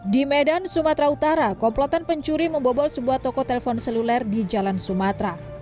di medan sumatera utara komplotan pencuri membobol sebuah toko telpon seluler di jalan sumatera